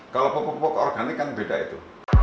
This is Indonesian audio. kalau pupuk pupuk organik kan beda itu